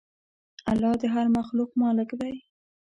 الله د هر مخلوق مالک دی.